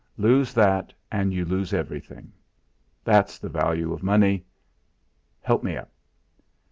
Lose that, and you lose everything. That's the value of money. Help me up."